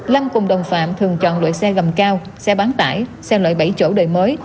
lâm cùng đồng phạm thường chọn loại xe gầm cao xe bán tải xe loại bảy chỗ đời mới